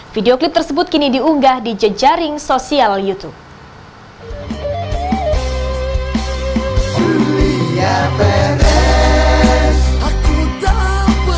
video klip tersebut kini diunggah di jejaring sosial youtube